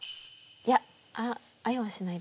いや会えはしないです。